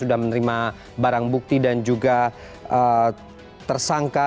sudah menerima barang bukti dan juga tersangka